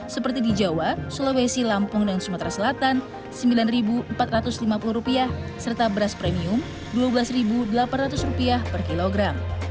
seperti di jawa sulawesi lampung dan sumatera selatan rp sembilan empat ratus lima puluh serta beras premium rp dua belas delapan ratus per kilogram